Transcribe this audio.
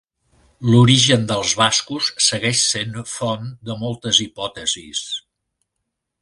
L'origen dels bascos segueix sent font de moltes hipòtesis.